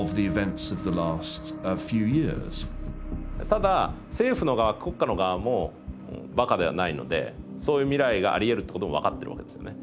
ただ政府の側国家の側もばかではないのでそういう未来がありえるってことも分かってるわけですね。